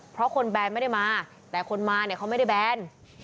เพราะคนแบนไม่ได้มาแต่คนมาเนี่ยเขาไม่ได้แบน